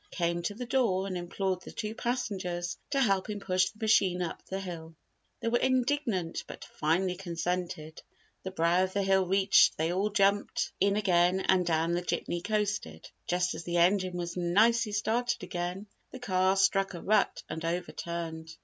He came to the door and implored the two passengers to help him push the machine up the hill. They were indignant but finally consented. The brow of the hill reached they all jumped in again and down the jitney coasted. Just as the engine was nicely started again, the car struck a rut and overturned.